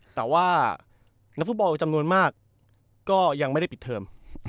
แต่ว่านักฟุตบอลจำนวนมากก็ยังไม่ได้ปิดเทอม